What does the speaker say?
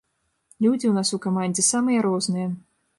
Людзі ў нас у камандзе самыя розныя.